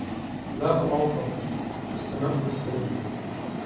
لا تتوقف, استمر في السير.